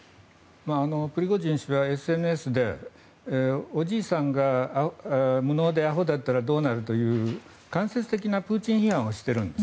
プリゴジン氏はＳＮＳでおじいさんが無能であほだったらどうなるという間接的なプーチン批判をしているんです。